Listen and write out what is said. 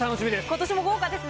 今年も豪華ですね。